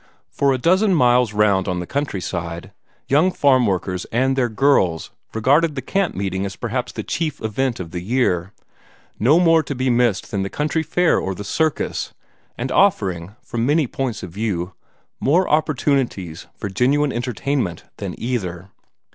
For a dozen miles round on the country side, young farm workers and their girls regarded the camp meeting as perhaps the chief event of the year no more to be missed than the country fair or the circus, and offering, from many points of view, more opportunities for genuine enjoyment than either.